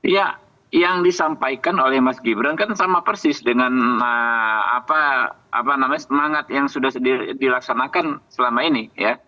ya yang disampaikan oleh mas gibran kan sama persis dengan semangat yang sudah dilaksanakan selama ini